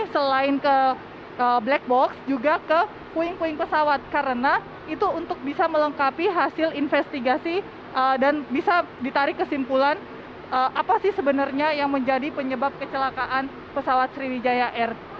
selain ke black box juga ke puing puing pesawat karena itu untuk bisa melengkapi hasil investigasi dan bisa ditarik kesimpulan apa sih sebenarnya yang menjadi penyebab kecelakaan pesawat sriwijaya air